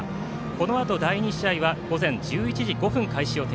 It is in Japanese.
このあと第２試合は午前１１時５分開始予定。